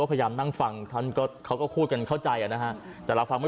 อืมที่นี่ดีไหมที่นี่ดีไหม